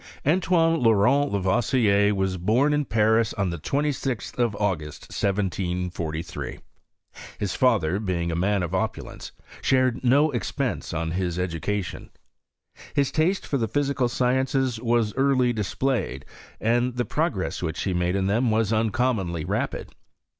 Antoine Laurent Lavoisier was born in Paris on tihe 26th of August, 1743. His father being a man ^f opulence spared no expense on his education. ^is taste for the physical sciences was early dis )[>layed, and the progress which he made in them was Xincommonly rapid.